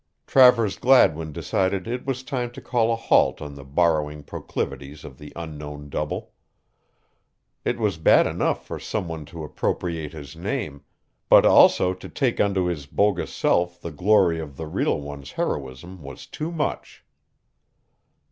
Travers Gladwin decided it was time to call a halt on the borrowing proclivities of the unknown double. It was bad enough for some one to appropriate his name, but also to take unto his bogus self the glory of the real one's heroism was too much.